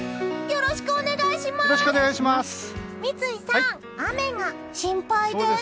よろしくお願いします！